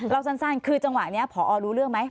สั้นคือจังหวะนี้พอรู้เรื่องไหม